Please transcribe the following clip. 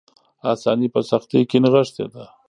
آساني په سختۍ کې نغښتې ده.